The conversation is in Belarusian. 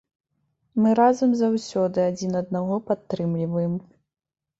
Мы разам заўсёды, адзін аднаго падтрымліваем.